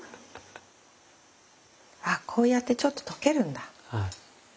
あこうやってちょっと溶けるんだ。